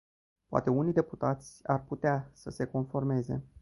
Poate unii deputați ar putea să se conformeze.